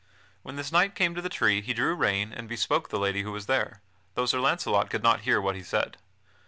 When this knight came to the tree he drew rein and bespoke the lady who was there, though Sir Launcelot could not hear what he said.